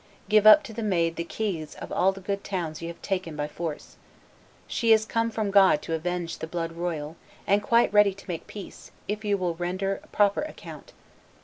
Give up to the Maid the keys of all the good towns you have taken by force. She is come from God to avenge the blood royal, and quite ready to make peace, if you will render proper account.